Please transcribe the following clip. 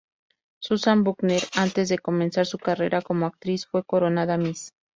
Susan Buckner antes de comenzar su carrera como actriz fue coronada Miss.